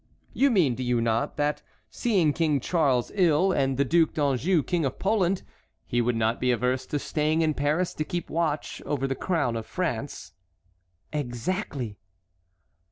"You mean, do you not, that seeing King Charles ill and the Duc d'Anjou King of Poland he would not be averse to staying in Paris to keep watch over the crown of France?" "Exactly."